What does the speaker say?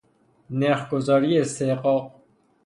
نرخگذاری استحقاق